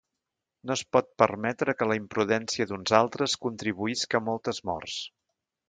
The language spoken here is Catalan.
No es pot permetre que la imprudència d’uns altres contribuïsca a moltes morts.